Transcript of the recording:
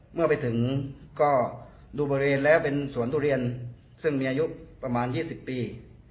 เมื่อไปถึงก็ดูบริเวณแล้วเป็นสวนทุเรียนซึ่งมีอายุประมาณ๒๐ปี